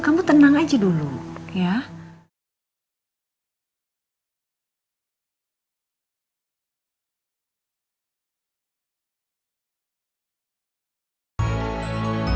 kamu tenang aja dulu ya